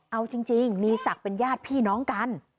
เอาจริงมีศักดิ์เป็นญาติพี่น้องกัน